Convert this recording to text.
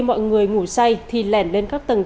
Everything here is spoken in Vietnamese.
mọi người ngủ say thì lèn lên các tầng